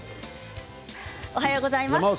おはようございます。